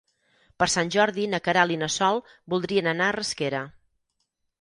Per Sant Jordi na Queralt i na Sol voldrien anar a Rasquera.